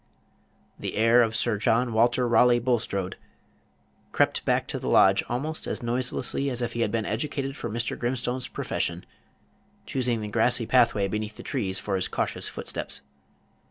The heir of Sir John Walter Raleigh Bulstrode crept back to the lodge almost as noiselessly as if he had been educated for Mr. Grimstone's profession, choosing the grassy pathway beneath the trees for his cautious footsteps.